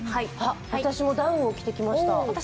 私もダウンを着てきました。